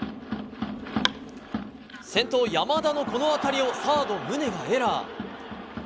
先頭、山田のこの当たりをサード、宗がエラー。